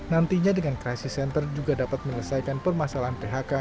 nantinya dengan krisis center juga dapat menyelesaikan permasalahan thr